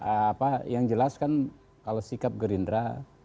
apa yang jelas kan kalau sikap gerindra